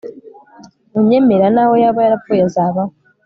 unyemera n'aho yaba yarapfuye, azabaho